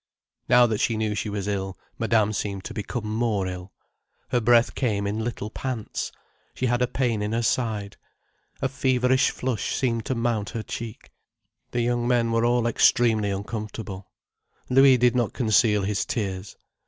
Now that she knew she was ill, Madame seemed to become more ill. Her breath came in little pants. She had a pain in her side. A feverish flush seemed to mount her cheek. The young men were all extremely uncomfortable. Louis did not conceal his tears.